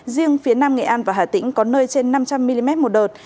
riêng phía nam nghệ an và hà tĩnh có nơi trên năm trăm linh mm một đợt